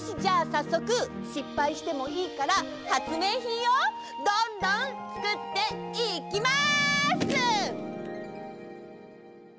さっそくしっぱいしてもいいからはつめいひんをどんどんつくっていきます！